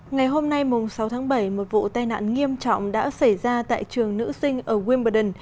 ngày hôm nay sáu tháng bảy một vụ tai nạn nghiêm trọng đã xảy ra tại trường nữ sinh ở wimbledon